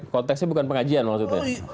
konteksnya bukan pengajian maksudnya